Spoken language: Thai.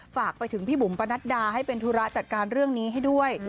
ฝากไปถึงพี่บุ๋มปะนัดดาให้เป็นธุระจัดการเรื่องนี้ให้ด้วย